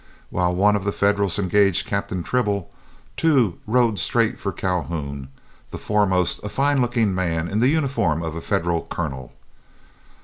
While one of the Federals engaged Captain Tribble, two rode straight for Calhoun, the foremost a fine looking man in the uniform of a Federal colonel.